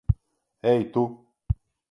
Ei, tu!